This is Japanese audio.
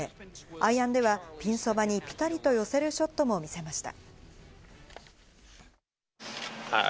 アイアンでは、ピンそばにぴたりと寄せるショットも見せました。